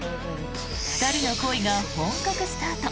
２人の恋が本格スタート。